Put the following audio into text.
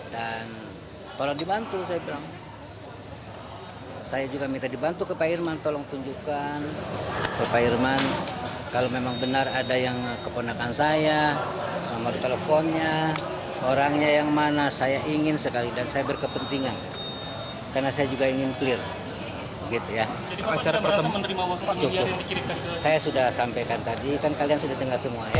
dukcapil kementerian daun negeri irman terkait proyek ktp elektronik